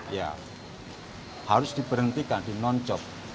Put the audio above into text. ya harus diberhentikan dinonjok